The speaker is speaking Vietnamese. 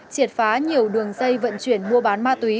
triệt phá nhiều đường dây vận chuyển mua bán ma túy